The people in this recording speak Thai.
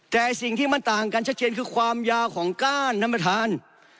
แต่สิ่งที่มันต่างกันชัดเจนคือความยาวของก้านท่านประธาน